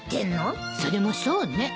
それもそうね。